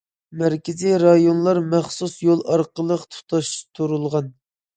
مەركىزىي رايونلار مەخسۇس يول ئارقىلىق تۇتاشتۇرۇلغان.